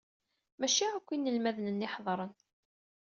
Maci akk inelmaden-nni ḥedṛen.